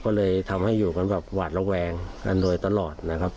ก็เลยทำให้อยู่กันแบบหวาดระแวงกันโดยตลอดนะครับ